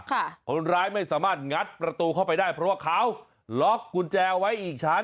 คนร้ายไม่สามารถงัดประตูเข้าไปได้เพราะว่าเขาล็อกกุญแจไว้อีกชั้น